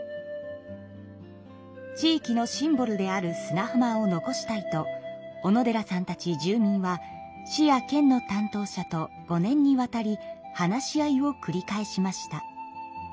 地域のシンボルである砂浜を残したいと小野寺さんたち住民は市や県の担当者と５年にわたり話し合いをくり返しました。